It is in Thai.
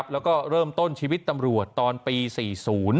แล้วก็เริ่มต้นชีวิตตำรวจตอนปี๔๐